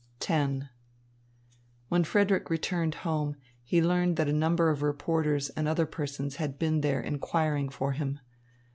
X When Frederick returned home, he learned that a number of reporters and other persons had been there inquiring for him.